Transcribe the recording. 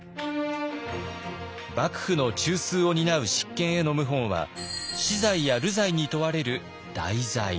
幕府の中枢を担う執権への謀反は死罪や流罪に問われる大罪。